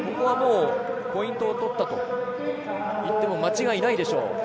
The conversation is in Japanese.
もうポイントを取ったと言っても間違いないでしょう。